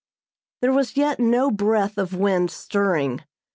There was yet no breath of wind stirring.